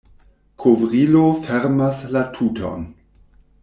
Kovrilo fermas la tuton.